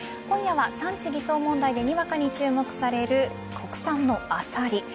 今夜は産地偽装問題でにわかに注目される国産のアサリ。